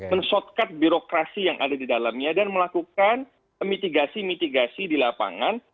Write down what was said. men shortcut birokrasi yang ada di dalamnya dan melakukan mitigasi mitigasi di lapangan